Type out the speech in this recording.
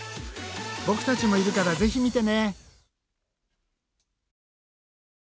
ボクたちもいるからぜひ見てね。